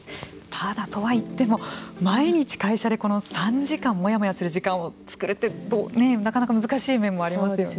ただ、とはいっても毎日、会社でこの３時間モヤモヤする時間を作るってなかなか難しい面もありますよね。